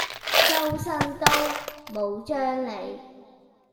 周身刀冇張利